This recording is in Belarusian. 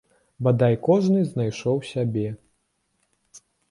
Бадай кожны знайшоў сябе.